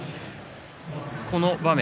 この場面